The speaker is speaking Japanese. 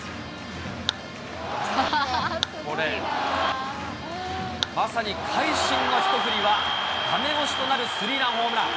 これ、まさに会心の一振りは、だめ押しとなるスリーランホームラン。